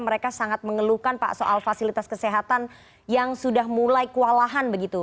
mereka sangat mengeluhkan pak soal fasilitas kesehatan yang sudah mulai kewalahan begitu